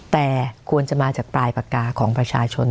แต่ควรจะมาจากปลายปากกาของประชาชน